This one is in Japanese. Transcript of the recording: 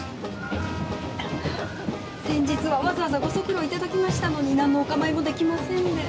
先日はわざわざご足労頂きましたのになんのお構いも出来ませんで。